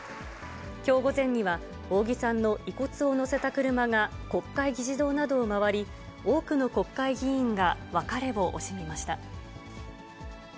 きょう午前には、扇さんの遺骨を乗せた車が国会議事堂などを回り、多くの国会議員が別れを惜しみました。